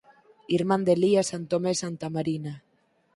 Irmán de Elías Santomé Santamarina.